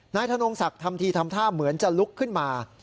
ธนงศักดิ์ทำทีทำท่าเหมือนจะลุกขึ้นมา